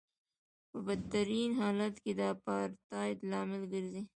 په بدترین حالت کې د اپارټایډ لامل ګرځي.